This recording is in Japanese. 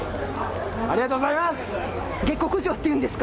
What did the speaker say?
ありがとうございます。